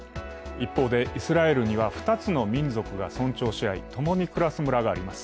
一方で、イスラエルには２つの民族が尊重し合い、ともに暮らす村があります。